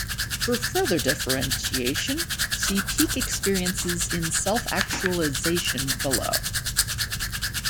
For further differentiation, see "Peak Experiences in Self-Actualization" below.